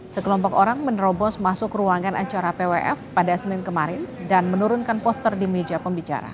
sekelompok orang menerobos masuk ruangan acara pwf pada senin kemarin dan menurunkan poster di meja pembicara